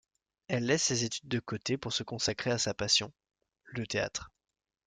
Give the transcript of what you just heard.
Elle laisse ses études de côté pour se consacrer à sa passion, le théâtre.